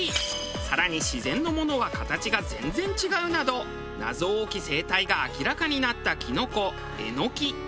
更に自然のものは形が全然違うなど謎多き生態が明らかになったキノコエノキ。